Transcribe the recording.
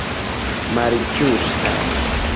malĝustas